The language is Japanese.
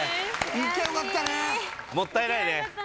もったいないね。